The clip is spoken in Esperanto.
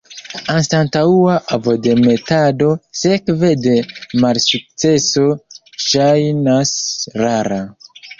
Anstataŭa ovodemetado sekve de malsukceso ŝajnas rara.